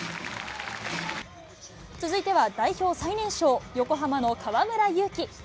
続いては代表最年少、横浜の河村勇輝。